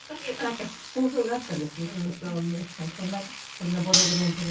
こんなボロボロの手紙。